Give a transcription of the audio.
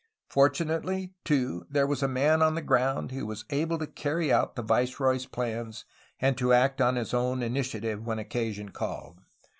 Fortunately, too, there was a man on the ground who was able to carry out the viceroy's plans and to act on his own initiative when occasion called.